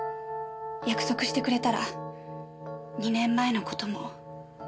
約束してくれたら２年前の事も許します。